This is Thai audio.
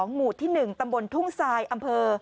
หมู่ที่๑ตำบลทุ่งทรายอำเภอ